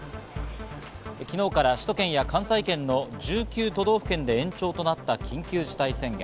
昨日から首都圏や関西圏の１９都道府県で延長となった緊急事態宣言。